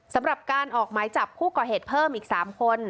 สำหรับการออกหมายจับผู้ก่อเหตุเพิ่มอีก๓คน